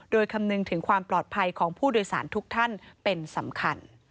โดยคำนึงถึงความปลอดภัยของผู้โดยสารทุกท่านเป็นสำคัญ